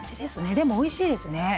でも、おいしいですね。